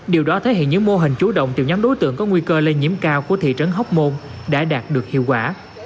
điều đó thể hiện những mô hình chú động tiêu nhắm đối tượng có nguy cơ lây nhiễm cao của thị trấn hóc môn đã đạt được hiệu quả